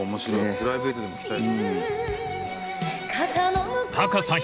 プライベートでも来たい。